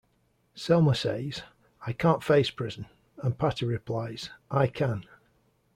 Selma says "I can't face prison" and Patty replies "I can.